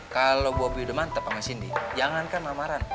kalau bobby udah mantep sama cindy jangankan lamaran